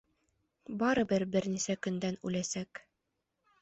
Барыбер бер нисә көндән үләсәк.